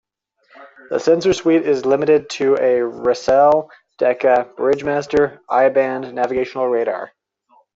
The sensor suite is limited to a Racel Decca Bridgemaster I-band navigational radar.